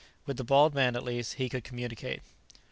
With the bald man, at least, he could communicate.